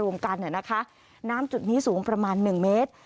มารวมกันเนี่ยนะคะน้ำจุดนี้สูงประมาณหนึ่งเมตร